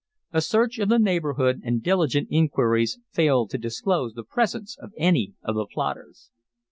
A search of the neighborhood, and diligent inquiries, failed to disclose the presence of any of the plotters.